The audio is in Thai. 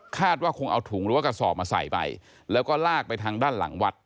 ว่าคงเอาถุงหรือว่ากระสอบมาใส่ไปแล้วก็ลากไปทางด้านหลังวัด